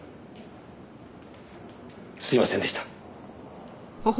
すいませんでした。